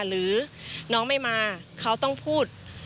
หรือน้องไม่มาเขาต้องพูด